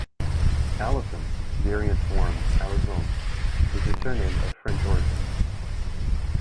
Alison, variant form Alizon, is a surname of French origin.